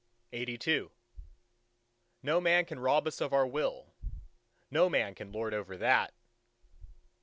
LXXXIII No man can rob us of our Will—no man can lord it over that!